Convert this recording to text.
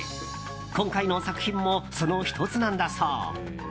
今回も作品もその１つなんだそう。